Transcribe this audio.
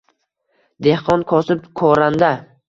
Dehqon, kosib, koranda.